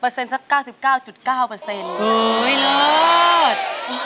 เปอร์เซ็นต์สัก๙๙๙เปอร์เซ็นต์เฮ้ยเลิศ